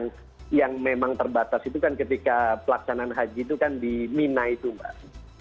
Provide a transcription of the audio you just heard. nah yang memang terbatas itu kan ketika pelaksanaan haji itu kan di mina itu mbak